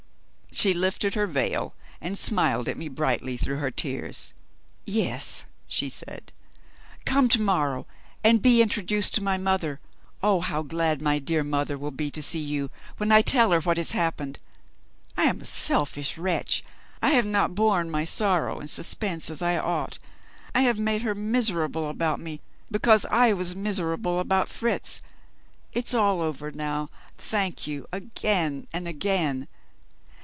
She lifted her veil and smiled at me brightly through her tears. "Yes," she said; "come to morrow and be introduced to my mother. Oh! how glad my dear mother will be to see you, when I tell her what has happened! I am a selfish wretch; I have not borne my sorrow and suspense as I ought; I have made her miserable about me, because I was miserable about Fritz. It's all over now. Thank you again and again.